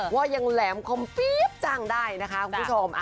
ว่ายังแหลมคมปี๊บจังได้นะคะคุณผู้ชม